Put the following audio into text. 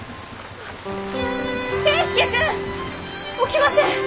起きません！